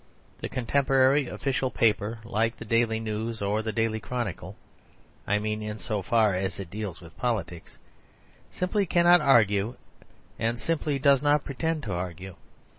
The contemporary official paper, like the "Daily News" or the "Daily Chronicle" (I mean in so far as it deals with politics), simply cannot argue; and simply does not pretend to argue.